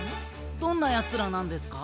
どんなヤツらなんですか？